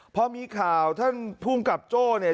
เพราะมีข่าวท่านผู้กำกับโจ้นี่